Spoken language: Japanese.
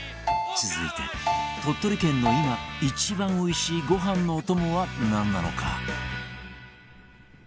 続いて鳥取県の今一番おいしいご飯のお供はなんなのか？